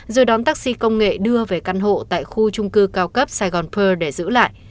rồi đón taxi công nghệ đưa về căn hộ tại khu trung cư cao cấp saigon pearl để giữ lại